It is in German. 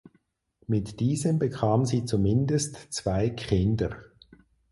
Mit diesem bekam sie zumindest zwei Kinder.